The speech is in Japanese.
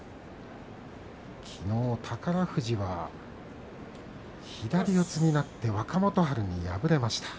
きのう宝富士は左四つになって若元春に敗れました。